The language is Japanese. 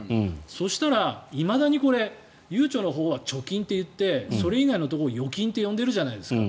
そしたら、いまだにこれゆうちょのほうは貯金といってそれ以外のところは預金と呼んでるじゃないですか。